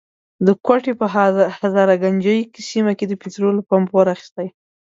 د کوټي په هزارګنجۍ سيمه کي د پټرولو پمپ اور اخستی.